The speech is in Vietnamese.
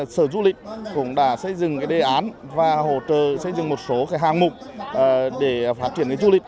sở du lịch cũng đã xây dựng đề án và hỗ trợ xây dựng một số hàng mục để phát triển du lịch